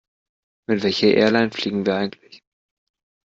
Mit welcher Airline fliegen wir eigentlich?